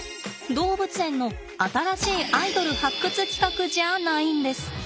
動物園の新しいアイドル発掘企画じゃないんです。